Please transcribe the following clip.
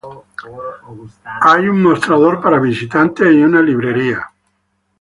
Hay un mostrador para visitantes y una librería.